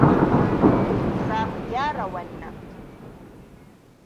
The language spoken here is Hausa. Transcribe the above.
Za mu gyara wannan.